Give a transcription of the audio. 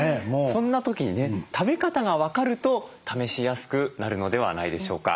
そんな時にね食べ方が分かると試しやすくなるのではないでしょうか。